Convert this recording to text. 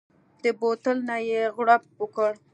د بوتل نه يې غړپ وکړ.